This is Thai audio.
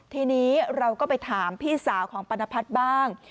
ทีนี้เราก็ไปถามพี่สาวของปรณพัฒน์บ้าง